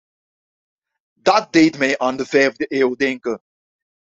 Dat deed mij aan de vijfde eeuw denken.